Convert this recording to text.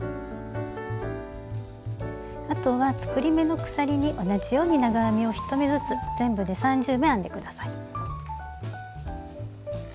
あとは作り目の鎖に同じように長編みを１目ずつ全部で３０目編んで下さい。